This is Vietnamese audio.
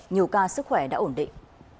nhiều ca sức khỏe đã ổn định